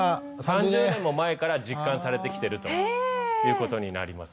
３０年も前から実感されてきてるということになります。